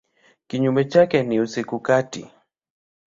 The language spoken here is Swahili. Kinyume chake ni usiku kati.